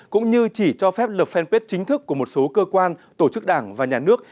cũng như chỉ cho phép lập fanpage chính thức của một số cơ quan tổ chức đảng và nhà nước